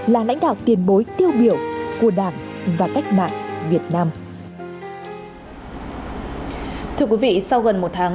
là lãnh đạo tiền bối tiêu biểu của đảng và cách mạng